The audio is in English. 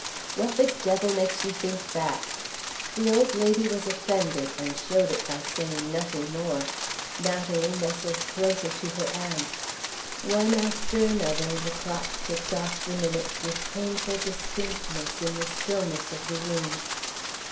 "What the devil makes you think that?" The old lady was offended, and showed it by saying nothing more. Natalie nestled closer to her aunt. One after another the clock ticked off the minutes with painful distinctness in the stillness of the room.